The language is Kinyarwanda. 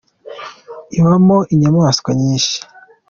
ibamo inyamaswa nyinshi.